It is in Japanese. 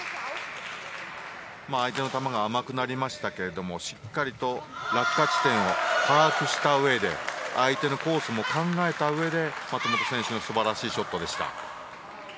相手の球が甘くなりましたけどしっかりと落下地点を把握したうえで相手のコースも考えたうえで松本選手の素晴らしいショットでした。